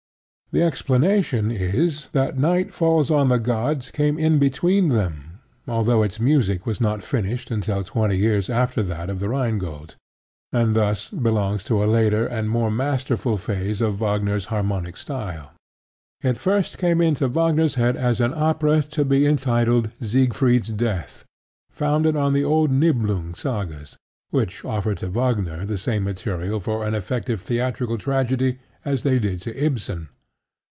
The explanation is that Night Falls On The Gods came in between them, although its music was not finished until twenty years after that of The Rhine Gold, and thus belongs to a later and more masterful phase of Wagner's harmonic style. It first came into Wagner's head as an opera to be entitled Siegfried's Death, founded on the old Niblung Sagas, which offered to Wagner the same material for an effective theatrical tragedy as they did to Ibsen.